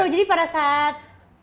seru jadi pada saat